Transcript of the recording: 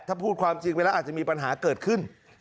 ถ้าพูดความจริงไปแล้วอาจจะมีปัญหาเกิดขึ้น